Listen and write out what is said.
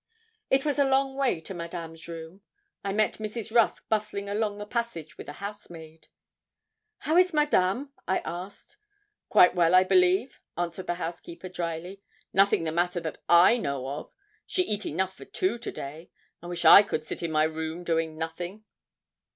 It was a long way to Madame's room. I met Mrs. Rusk bustling along the passage with a housemaid. 'How is Madame?' I asked. 'Quite well, I believe,' answered the housekeeper, drily. 'Nothing the matter that I know of. She eat enough for two to day. I wish I could sit in my room doing nothing.'